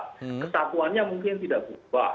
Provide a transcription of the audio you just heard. kesatuannya mungkin tidak berubah